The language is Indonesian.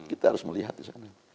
kita harus melihat di sana